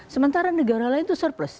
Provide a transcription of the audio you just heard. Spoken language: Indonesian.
sementara negara lain itu surplus